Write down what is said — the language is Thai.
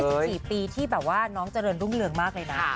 หรือว่าเป็น๒๔ปีที่น้องเจริญรุ่งเรืองมากเลยนะ